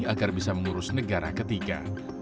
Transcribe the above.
agar bisa mengurus negara ketiga